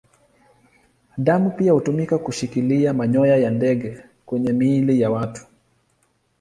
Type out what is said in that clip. Damu pia hutumika kushikilia manyoya ya ndege kwenye miili ya watu.